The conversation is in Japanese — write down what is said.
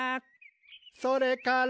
「それから」